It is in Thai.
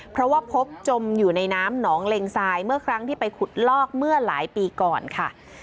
เพราะว่าพบจมอยู่ในน้ำหนองเล็งทรายเมื่อครั้งที่ไปขุดลอกเมื่อหลายปีก่อนค่ะ